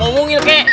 mau mungil kek